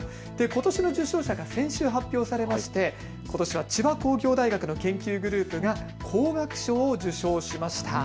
ことしの受賞者が先週発表されまして、ことしは千葉工業大学の研究グループが工学賞を受賞しました。